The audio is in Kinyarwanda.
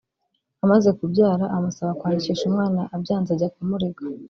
Amaze kubyara amusaba kwandikisha umwana abyanze ajya kumurega